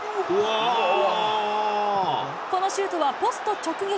このシュートはポスト直撃。